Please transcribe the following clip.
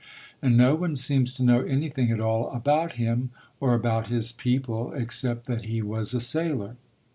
And no one seems to know anything at all about him, or about his people, except that he was a sailor.